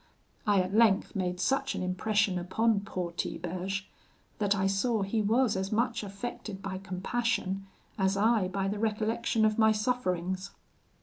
I at length made such an impression upon poor Tiberge, that I saw he was as much affected by compassion, as I by the recollection of my sufferings.